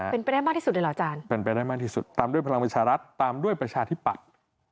เป็นไปได้มากที่สุดเลยเหรออาจารย์เป็นไปได้มากที่สุดตามด้วยพลังประชารัฐตามด้วยประชาธิปัตย์